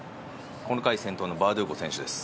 この回、先頭のバードゥーゴ選手です。